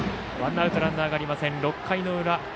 ワンアウトランナーがありません、６回の裏。